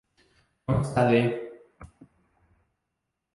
Consta de:.